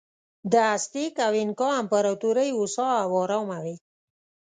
د ازتېک او اینکا امپراتورۍ هوسا او ارامه وې.